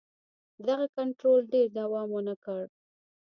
دغه کنټرول ډېر دوام ونه کړ.